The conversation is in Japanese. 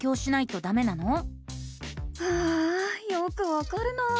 ああよくわかるな。